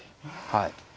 はい。